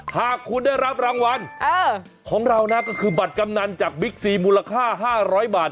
หากคุณได้รับรางวัลของเรานะก็คือบัตรกำนันจากบิ๊กซีมูลค่า๕๐๐บาท